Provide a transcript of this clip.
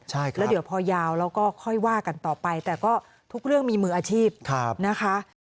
แล้วเดี๋ยวพอยาวแล้วก็ค่อยว่ากันต่อไปแต่ก็ทุกเรื่องมีมืออาชีพนะคะ